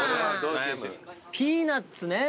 ピーナッツね。